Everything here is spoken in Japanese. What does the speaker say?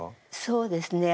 そうですね。